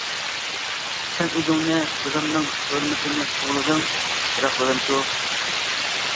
سەن ئۆزۈڭنى، دادامنىڭ ھۆرمىتىنى قوغدىدىڭ، بىراق دادامچۇ؟ !